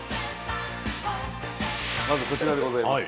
まずこちらでございます。